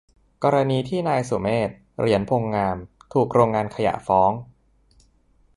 กรณีที่นายสุเมธ เหรียญพงษ์นาม ถูกโรงงานขยะฟ้อง